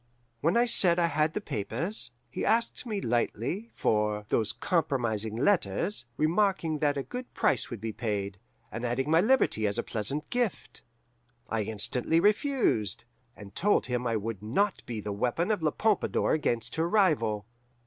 "When I said I had the papers, he asked me lightly for 'those compromising letters,' remarking that a good price would be paid, and adding my liberty as a pleasant gift. I instantly refused, and told him I would not be the weapon of La Pompadour against her rival.